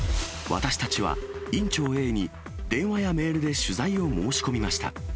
私たちは、院長Ａに電話やメールで取材を申し込みました。